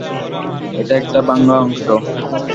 এটা একটা ভাঙ্গা অংশ।